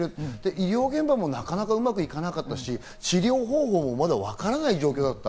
医療現場もなかなかうまくいかなかったし、治療方法もまだわからない状況だった。